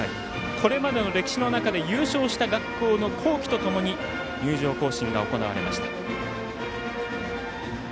これまでの歴史の中で優勝した学校の校旗とともに入場行進が行われました。